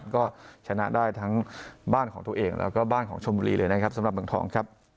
ก็ชนะได้ทั้งบ้านของตัวเองแล้วก็บ้านของชมบุรีเลยนะครับสำหรับเมืองทองครับ